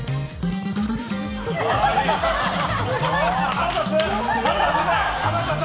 腹立つ！